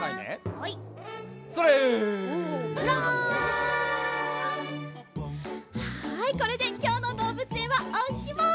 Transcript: はいこれできょうのどうぶつえんはおしまい。